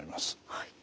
はい。